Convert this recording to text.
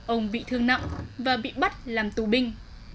ông bị thương nặng và bị bắt làm tù binh